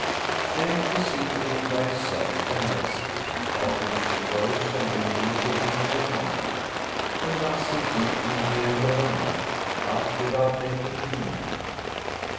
Then he seated him by his side and rested ; after which he rose and renewed the beating upon him ; and thus he did till the end of the night, but without making him move.